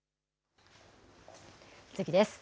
次です。